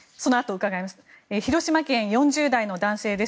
広島県、４０代の男性です。